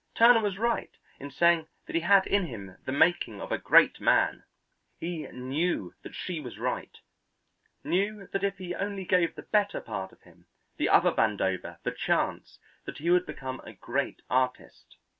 Turner was right in saying that he had in him the making of a great man. He knew that she was right; knew that if he only gave the better part of him, the other Vandover, the chance, that he would become a great artist.